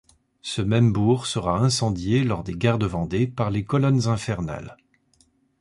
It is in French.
Ce même bourg sera incendié lors des Guerres de Vendée, par les Colonnes infernales.